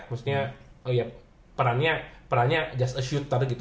maksudnya perannya just a shooter gitu